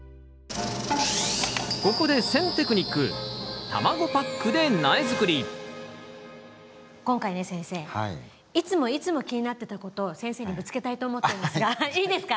ここで選テクニック今回ね先生いつもいつも気になってたことを先生にぶつけたいと思っていますがいいですか？